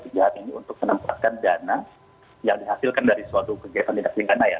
ini untuk menempatkan dana yang dihasilkan dari suatu kegiatan yang sering tindai ya